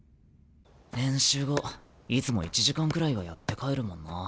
練習後いつも１時間くらいはやって帰るもんな。